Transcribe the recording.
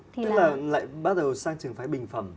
tức là lại bắt đầu sang trường phái bình phẩm